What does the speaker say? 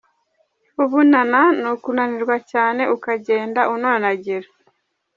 Ubunana: ni ukunanirwa cyane, ukagenda unonagira.